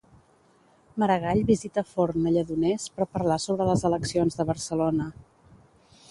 Maragall visita Forn a Lledoners per parlar sobre les eleccions de Barcelona.